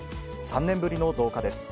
３年ぶりの増加です。